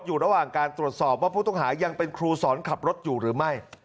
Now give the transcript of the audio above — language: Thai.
อยู่ระหว่างการตรวจสอบว่าผู้ต้องหายังเป็นครูสอนขับรถอยู่หรือไม่